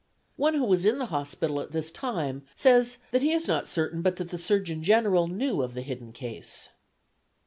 One who was in the hospital at this time says that he is not certain but that the Surgeon General knew of the hidden case.